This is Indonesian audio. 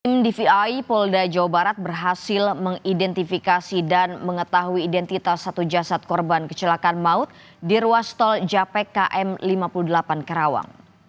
tim dvi polda jawa barat berhasil mengidentifikasi dan mengetahui identitas satu jasad korban kecelakaan maut di ruas tol japek km lima puluh delapan karawang